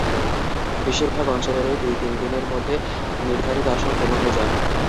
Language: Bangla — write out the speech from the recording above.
বেশির ভাগ অঞ্চলেই দুই–তিন দিনের মধ্যে নির্ধারিত আসন পূর্ণ হয়ে যায়।